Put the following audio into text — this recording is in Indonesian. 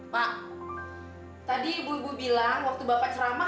pak tadi ibu ibu bilang waktu bapak ceramah